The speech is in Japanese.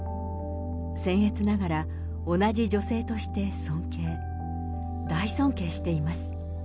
せん越ながら、同じ女性として尊敬、大尊敬しています。